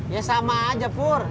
ya sama aja pur